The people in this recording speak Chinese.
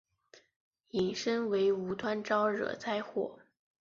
引申为无端招惹灾祸。